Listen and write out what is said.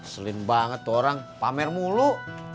selin banget tuh orang pamer mulu